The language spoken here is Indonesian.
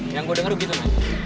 yang gue denger tuh gitu man